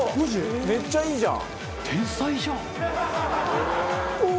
めっちゃいいじゃん！